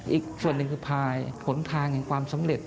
อีกส่วนหนึ่งคือภายผลทางแห่งความสำเร็จ